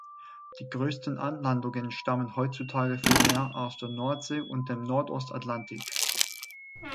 Die größten Anlandungen stammen heutzutage vielmehr aus der Nordsee und dem Nordost-Atlantik.